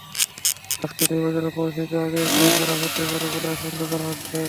আজকের নির্বাচনে পরিস্থিতি আগের চেয়ে খারাপ হতে পারে বলে আশঙ্কা করা হচ্ছে।